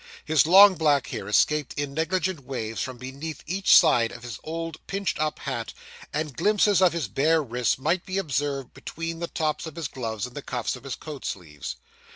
His long, black hair escaped in negligent waves from beneath each side of his old pinched up hat; and glimpses of his bare wrists might be observed between the tops of his gloves and the cuffs of his coat sleeves.